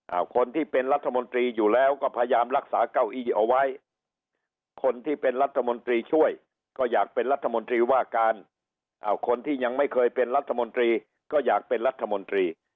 คนที่เป็นรัฐมนตรีอยู่แล้วก็พยายามรักษาเก้าอี้เอาไว้คนที่เป็นรัฐมนตรีช่วยก็อยากเป็นรัฐมนตรีว่าการอ้าวคนที่ยังไม่เคยเป็นรัฐมนตรีก็อยากเป็นรัฐมนตรี